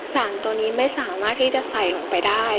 สารตัวนี้ไม่สามารถที่จะใส่ลงไปได้